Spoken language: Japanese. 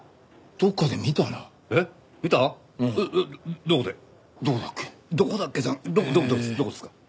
どこどこですか？